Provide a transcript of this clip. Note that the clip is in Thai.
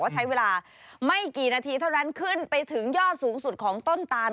ใช้เวลาไม่กี่นาทีเท่านั้นขึ้นไปถึงยอดสูงสุดของต้นตาน